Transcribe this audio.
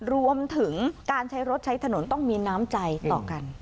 รวมถึงการใช้รถใช้ถนนต้องมีน้ำใจต่อกัน